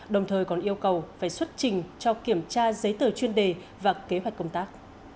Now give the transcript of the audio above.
đồng thời còn yêu cầu phải xuất trình cho kiểm tra giấy tờ chuyên đề và kế hoạch công tác